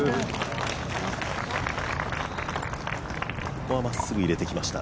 ここはまっすぐ入れてきました。